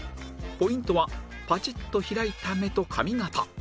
ポイントはパチッと開いた目と髪形